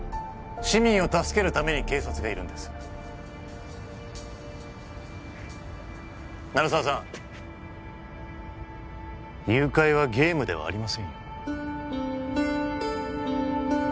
市民を助けるために警察がいるんです鳴沢さん誘拐はゲームではありませんよ